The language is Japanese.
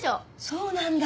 そうなんだ！